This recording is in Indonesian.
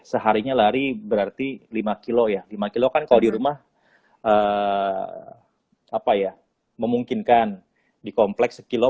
seharinya lari berarti lima kilo ya lima kilo kan kalau di rumah apa ya memungkinkan di kompleks sekilo